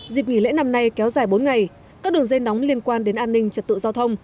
dịp nghỉ lễ năm nay kéo dài bốn ngày các đường dây nóng liên quan đến an ninh trật tự giao thông